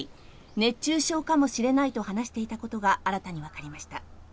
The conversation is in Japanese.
熱中症かもしれないと話していたことが新たにわかりました。